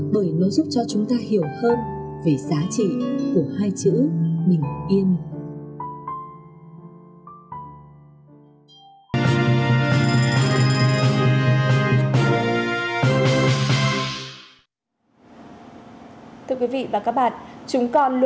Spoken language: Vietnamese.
bởi nó giúp cho chúng ta hiểu hơn về giá trị của hai chữ